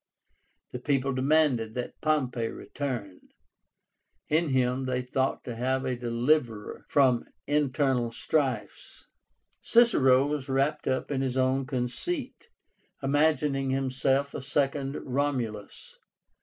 The people demanded that Pompey return. In him they thought to have a deliverer from internal strifes. Cicero was wrapped up in his own conceit, imagining himself a second Romulus.